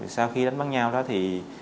sau khi đánh bắn nhau đó thì